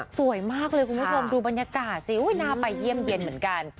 สวยมากเลยคุณผู้ชมดูบรรยากาศสิน่าไปเยี่ยมเย็นเหมือนกัน